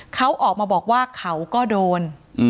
เขาออกมาบอกว่าเขาก็โดน